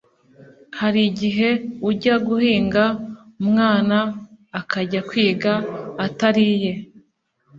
hari igihe ujya guhinga umwana akajya kwiga atariye